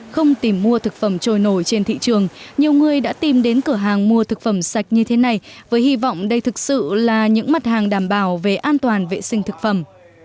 không tìm mua thực phẩm trôi nổi trên thị trường nhiều người đã tìm đến cửa hàng mua thực phẩm sạch như thế này với hy vọng đây thực sự là những mặt hàng đảm bảo về an toàn vệ sinh thực phẩm